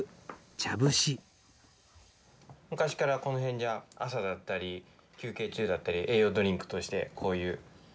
昔からこの辺じゃ朝だったり休憩中だったり栄養ドリンクとしてこういう飲み方をします。